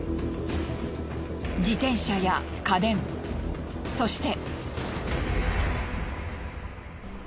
自転車や家電そして。